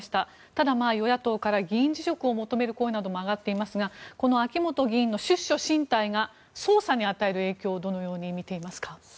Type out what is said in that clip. ただ、与野党から議員辞職を求める声なども上がっていますがこの秋本議員の出処進退が捜査に与える影響をどのように見ていますか？